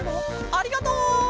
ありがとう！